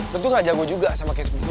lo tuh gak jago juga sama kayak sepupu